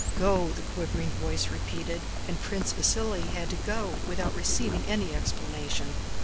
"Go!" the quivering voice repeated. And Prince Vasíli had to go without receiving any explanation.